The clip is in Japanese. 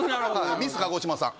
ミス鹿児島さん。